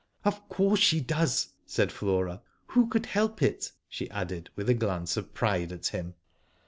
'* Of course she does," said Flora. " Who could help it ?" she added, with a glance of pride at him.